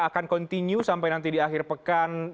akan continue sampai nanti di akhir pekan